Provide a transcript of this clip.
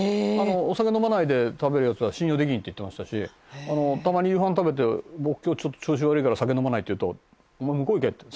「お酒飲まないで食べるヤツは信用できん」って言ってましたしたまに夕飯食べて「僕今日ちょっと調子悪いから酒飲まない」って言うと「お前向こう行け」って。